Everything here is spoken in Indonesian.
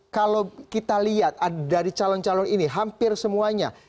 kalau kita lihat dari calon calon ini hampir semuanya